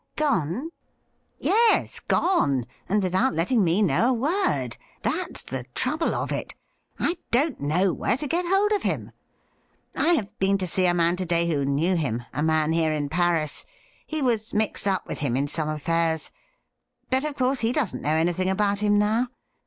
' Gone ?' 'Yes, gone, and without letting me know a word. That's the trouble of it. I don't know where to get hold of him. I have been to see a man to day who knew him — a man here in Paris. He was mixed up with him in some affairs, but, of course, he doesn't know anything about him now.